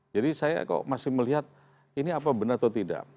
jadi saya kok masih melihat ini apa benar atau tidak